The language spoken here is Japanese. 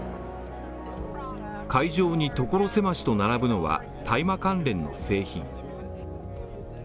会場にところせましと並ぶのは、大麻関連の製品。